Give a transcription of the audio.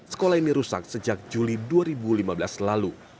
sekolah ini rusak sejak juli dua ribu lima belas lalu